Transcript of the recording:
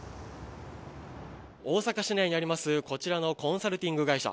大阪市内にあります、こちらのコンサルティング会社。